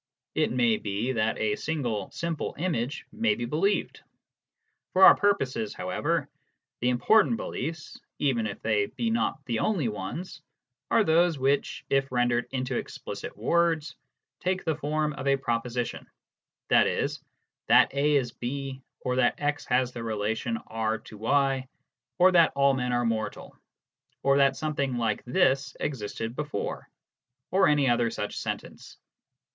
It may be that a single simple image may be believed. For our purposes, however, the important beliefs, even if they be not the only ones, are those which, if rendered into explicit words, take the form of a proposition, i.e., that A is B, or that x has the relation R to y, or that all men are mortal, or that something like this existed before, or any other such sentence.